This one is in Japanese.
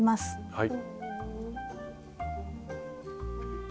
はい。